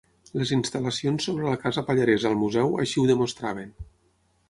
Les instal·lacions sobre la Casa Pallaresa al Museu així ho demostraven.